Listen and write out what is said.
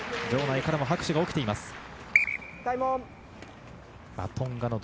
場内からも拍手が起きています。